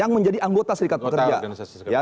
yang menjadi anggota serikat pekerja